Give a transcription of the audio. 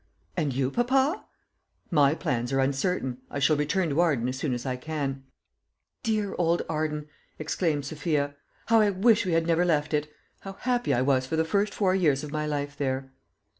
"And you, papa?" "My plans are uncertain. I shall return to Arden as soon as I can." "Dear old Arden!" exclaimed Sophia; "how I wish we had never left it! How happy I was for the first four years of my life there!"